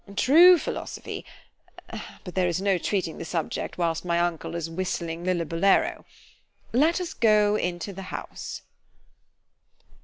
True philosophy——but there is no treating the subject whilst my uncle is whistling Lillabullero. ——Let us go into the house.